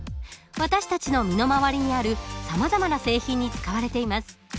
私たちの身の回りにあるさまざまな製品に使われています。